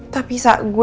tapi sa gue tuh gak hamil